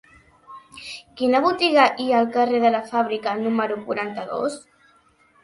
Quina botiga hi ha al carrer de la Fàbrica número quaranta-dos?